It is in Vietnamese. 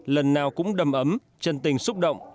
lần nào cũng đầm ấm chân tình xúc động